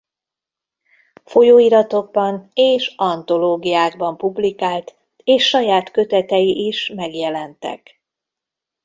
Folyóiratokban és antológiákban publikált és saját kötetei is megjelentek.